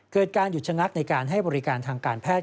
เกิดการหยุดชะงักในการให้บริการทางการแพทย์